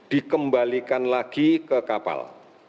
dikembalikan lagi ke kapal